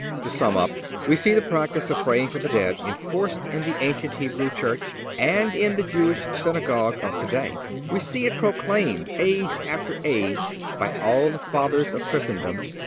(295) To sum up, we see the practice of praying for the dead enforced in the ancient Hebrew church and in the Jewish synagogue of today. We see it proclaimed age after age by all the Fathers of Christendom.